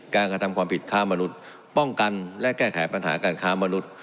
การกระทำความผิดค้ามนุษย์ป้องกันและแก้ไขปัญหาการค้ามนุษย์